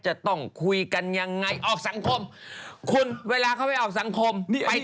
จะต้องคุยกันยังไงออกสังคมคุณเวลาเขาไปออกสังคม